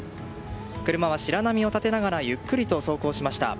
車は白波を立てながらゆっくりと走行しました。